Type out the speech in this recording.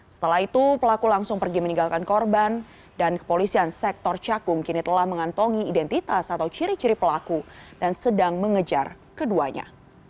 setelah itu pelaku langsung pergi meninggalkan korban dan kepolisian sektor cakung kini telah mengantongi identitas atau ciri ciri pelaku dan sedang mengejar keduanya